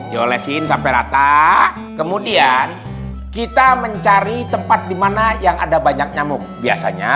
diolesin sampai rata kemudian kita mencari tempat dimana yang ada banyak nyamuk biasanya